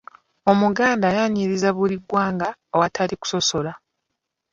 Omuganda ayaniriza buli ggwanga awatali kusosola.